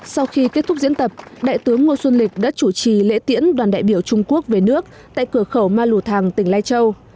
sau khi kết thúc diễn tập đại tướng ngô xuân lịch đã chủ trì lễ tiễn đoàn đại biểu trung quốc về nước tại cửa khẩu ma lù thàng tỉnh lai châu